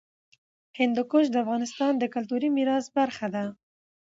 هندوکش د افغانستان د کلتوري میراث برخه ده.